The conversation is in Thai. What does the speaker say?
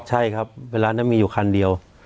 ใช่ครับเวลานั้นมีอยู่คันเดียว